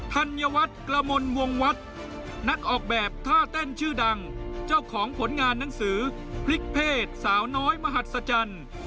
ธัญวัฒน์กระมวลวงวัดนักออกแบบท่าเต้นชื่อดังเจ้าของผลงานหนังสือพลิกเพศสาวน้อยมหัศจรรย์